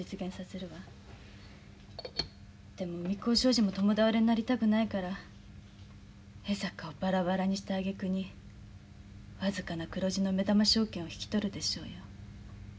でも宇美幸商事も共倒れになりたくないから江坂をバラバラにしたあげくに僅かな黒字の目玉証券を引き取るでしょうよ。